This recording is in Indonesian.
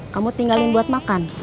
kamu tinggalin buat makan